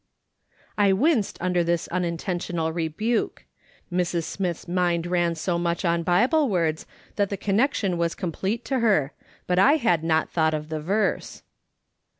I winced under this unintentional rebuke. Mrs. Smith's mind ran so much on Bible words that the connection was complete to her, but I had not thought of the verse.